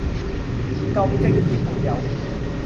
夠驚險沒有？